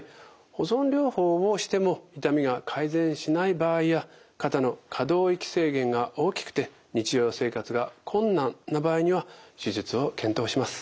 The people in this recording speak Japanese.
保存療法をしても痛みが改善しない場合や肩の可動域制限が大きくて日常生活が困難な場合には手術を検討します。